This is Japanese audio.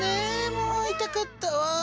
もう会いたかったわ。